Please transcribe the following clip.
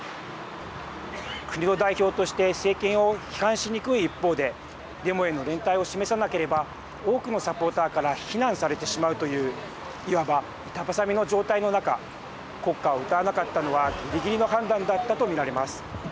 国の代表として政権を批判しにくい一方でデモへの連帯を示さなければ多くのサポーターから非難されてしまうといういわば板挟みの状態の中国歌を歌わなかったのはぎりぎりの判断だったと見られます。